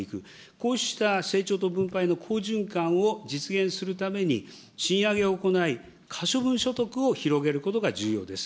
こうした成長と分配の好循環を実現するために賃上げを行い、可処分所得を広げることが重要です。